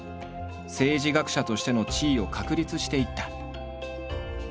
政治学者としての地位を確立していった。